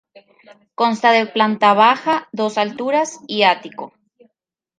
Consta de planta baja, dos alturas y ático.